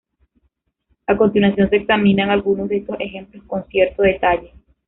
A continuación se examinan algunos de estos ejemplos con cierto detalle.